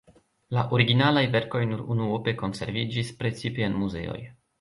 La originalaj verkoj nur unuope konserviĝis, precipe en muzeoj.